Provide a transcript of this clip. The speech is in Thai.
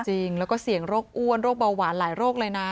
จริงแล้วก็เสี่ยงโรคอ้วนโรคเบาหวานหลายโรคเลยนะ